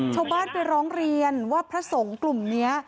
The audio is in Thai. ชาวบ้านไปร้องเรียนว่าพระสงฆ์กลุ่มนี้